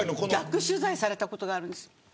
逆取材されたことがあるんです。